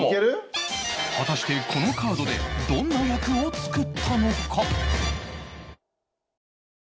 果たしてこのカードでどんな役を作ったのか？